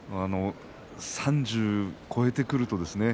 ３０を超えてくるとですね